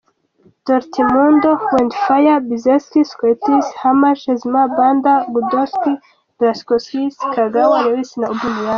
Dortmund: Weidenfeller; Piszczek, Sokratis, Hummels, Schmelzer; Bender, Gündoğan; Błaszczykowski, Kagawa, Reus; Aubameyang.